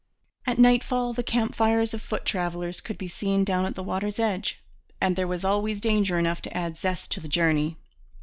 At nightfall the camp fires of foot travellers could be seen down at the water's edge. And there was always danger enough to add zest to the journey.